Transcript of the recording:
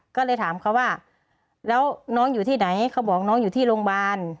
ก็เลยถามเขาว่าแล้วน้องอยู่ที่ไหนเขาบอกน้องอยู่ที่โรงพยาบาล